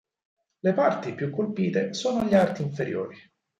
Le parti più colpite sono gli arti inferiori.